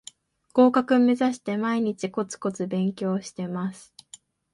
合格めざして毎日コツコツ勉強してます